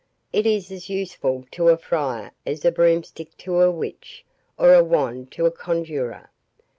It is as useful to a friar as a broomstick to a witch, or a wand to a conjurer.